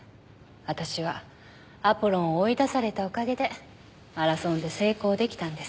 私はアポロンを追い出されたおかげでマラソンで成功出来たんです。